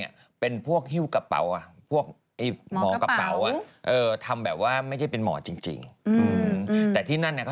อย่าบอกว่าไทย